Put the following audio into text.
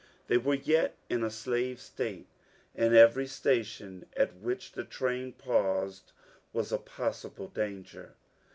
They were yet in a slave State, and every station at which the train paused was a possible danger.